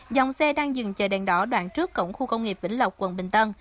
dòng xe đang dừng chờ đèn đỏ đoạn trước cổng khu công nghiệp vĩnh lộc quận bình tân